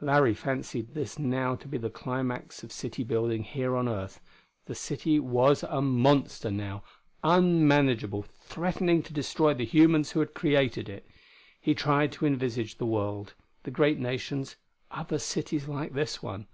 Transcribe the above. Larry fancied this now to be the climax of city building here on earth; the city was a monster, now, unmanageable, threatening to destroy the humans who had created it.... He tried to envisage the world; the great nations; other cities like this one.